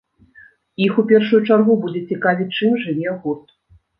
Іх у першую чаргу будзе цікавіць, чым жыве гурт.